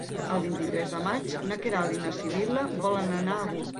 El vint-i-tres de maig na Queralt i na Sibil·la volen anar a Gurb.